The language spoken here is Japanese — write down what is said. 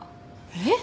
えっ！？